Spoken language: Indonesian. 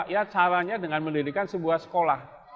ya caranya dengan mendirikan sebuah sekolah